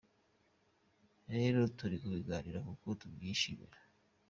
Rero turi mu biganiro, kuko tubyishimira.